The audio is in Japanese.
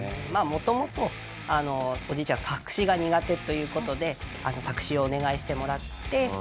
まあ元々おじいちゃん作詞が苦手という事で作詞をお願いしてもらって。